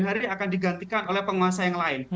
hari ini akan digantikan oleh penguasa yang lain